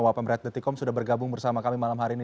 wp mered com sudah bergabung bersama kami malam hari ini